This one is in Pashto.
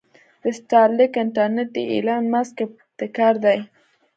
د سټارلنک انټرنټ د ايلان مسک ابتکار دې.